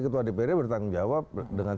ketua dpd bertanggung jawab dengan